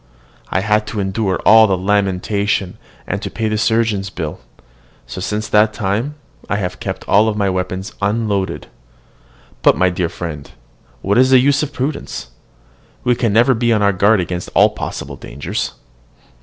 I had to endure all the lamentation, and to pay the surgeon's bill; so, since that time, I have kept all my weapons unloaded. But, my dear friend, what is the use of prudence? We can never be on our guard against all possible dangers.